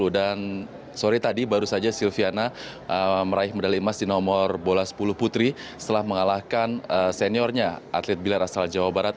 dan sorry tadi baru saja silviana meraih medali emas di nomor bola sepuluh putri setelah mengalahkan seniornya atlet biliar asal jawa barat